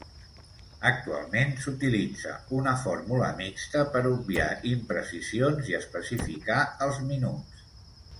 Actualment s'utilitza una fórmula mixta per obviar imprecisions i especificar els minuts.